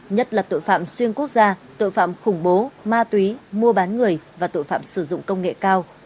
nhất là tội phạm xuyên quốc gia tội phạm khủng bố ma túy mua bán người và tội phạm sử dụng công nghệ cao